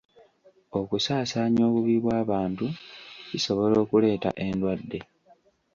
Okusaasaanya obubi bw'abantu kisobola okuleeta endwadde.